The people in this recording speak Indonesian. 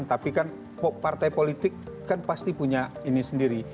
tapi kan partai politik kan pasti punya ini sendiri